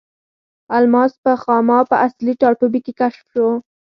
الماس په خاما په اصلي ټاټوبي کې کشف شو.